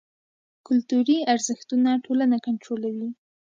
کلتوري ارزښتونه ټولنه کنټرولوي.